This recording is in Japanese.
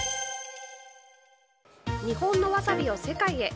日本のワサビを世界へ！